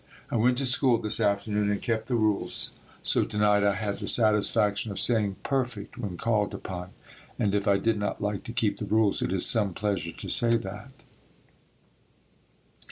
I went to school this afternoon and kept the rules, so to night I had the satisfaction of saying "perfect" when called upon, and if I did not like to keep the rules, it is some pleasure to say that.